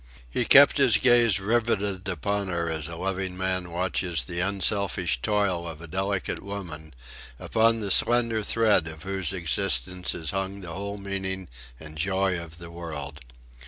He kept his gaze riveted upon her as a loving man watches the unselfish toil of a delicate woman upon the slender thread of whose existence is hung the whole meaning and joy of the world.